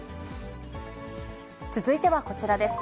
続いてはこちらです。